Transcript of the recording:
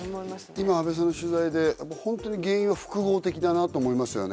今阿部さんの取材でホントに原因は複合的だなと思いますよね